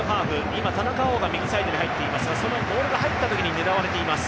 今、田中碧が右サイドに入っていますがそのボールが入ったところを狙われています。